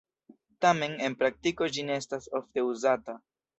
Tamen, en praktiko ĝi ne estas ofte uzata.